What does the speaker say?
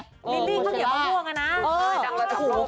มิลลิข้าวเหนียวมะม่วงอ่ะนะ